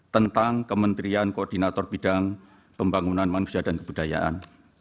tentang kementerian koordinator bidang pembangunan manusia dan kebudayaan